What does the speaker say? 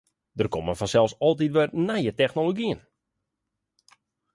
Der komme fansels altyd wer nije technologyen.